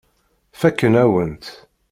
Fakken-awen-tt.